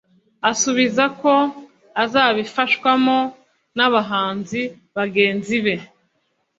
asubiza ko azabifashwamo n'abahanzi bagenzi be